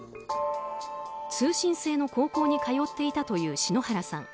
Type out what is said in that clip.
通信制の高校に通っていたという篠原さん。